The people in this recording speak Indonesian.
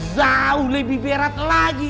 zauh lebih berat lagi